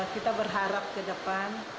kita berharap ke depan